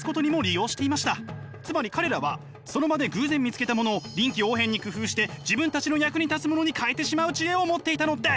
つまり彼らはその場で偶然見つけたものを臨機応変に工夫して自分たちの役に立つものに変えてしまう知恵を持っていたのです！